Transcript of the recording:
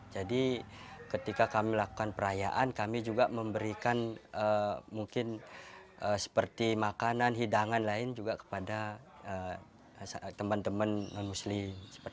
jadi ketika kami melakukan perayaan kami juga memberikan mungkin seperti makanan hidangan lain juga kepada teman teman non muslim